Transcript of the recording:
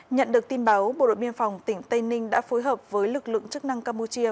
nhận được tin báo bộ đội biên phòng tỉnh tây ninh đã phối hợp với lực lượng chức năng campuchia